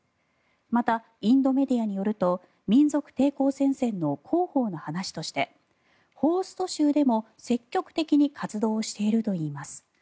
また、インドメディアによると民族抵抗戦線の広報の話としてホースト州でも積極的に活動しているといいます。